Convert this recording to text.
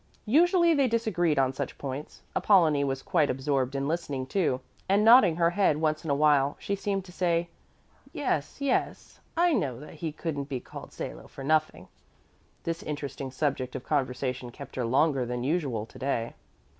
Usually they disagreed on such points. Apollonie was quite absorbed in listening, too, and nodding her head once in a while, she seemed to say: "Yes, yes, I know that he couldn't be called Salo for nothing." This interesting subject of conversation kept her longer than usual to day.